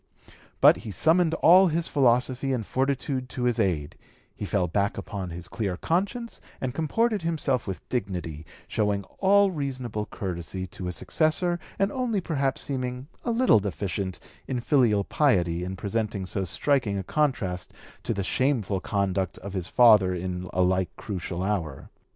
But he summoned all his philosophy and fortitude to his aid; he fell back upon his clear conscience and comported himself with dignity, showing all reasonable courtesy to his successor and only perhaps seeming a little deficient in filial piety in presenting so striking a contrast to the shameful conduct of his father in a like crucial hour.